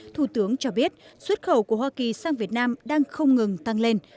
thủ tướng cho biết xuất khẩu của hoa kỳ sang việt nam đang không ngừng tăng lên